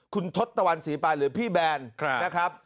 คุณทศตวรรษีปานหรือพี่แบนนะครับ